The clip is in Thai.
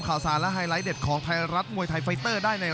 รับทราบรับทราบ